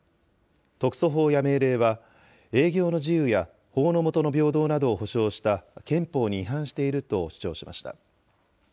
特措法や命令は、営業の自由や法の下の平等などを保障した憲法に違反していると主張しました。